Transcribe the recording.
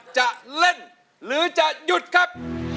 จะเล่นหรือจะหยุดครับ